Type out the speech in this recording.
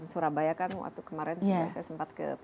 surabaya kan waktu kemarin juga saya sempat ke pt pembangunan